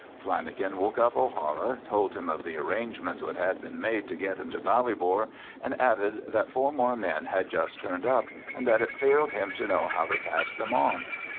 Flanagan woke up O'Hara, told him of the arrangements which had been made to get him to Ballybor, and added that four more men had just turned up, and that it failed him to know how to pass them on.